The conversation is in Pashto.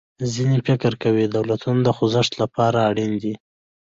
ځینې فکر کوي دولتونه د خوځښت له پاره اړین دي.